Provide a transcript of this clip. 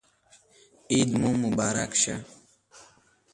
عید مو مبارک شه